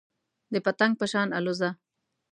د پتنګ په شان الوځه .